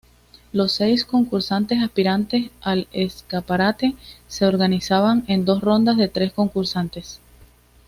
Los seis concursantes aspirantes al escaparate se organizaban en dos rondas de tres concursantes.